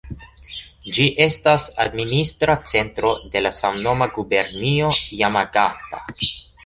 Ĝi estas administra centro de la samnoma gubernio Jamagata.